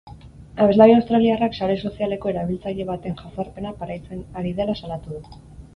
Abeslari australiarrak sare sozialeko erabiltzaile baten jazarpena pairatzen ari dela salatu du.